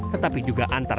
tetapi juga antar